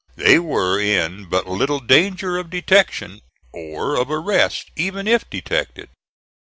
They were in but little danger of detection, or of arrest even if detected.